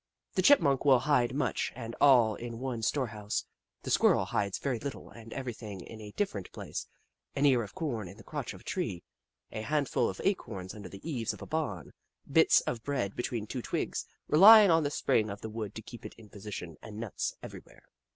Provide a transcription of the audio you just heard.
The Chipmunk will hide much and all in one storehouse ; the Squirrel hides very little and everything in a different place — an ear of corn in the crotch of a tree, a handful of acorns under the eaves of a barn, bits of bread between two twigs, relying on the spring of the wood to keep it in position, and nuts everywhere.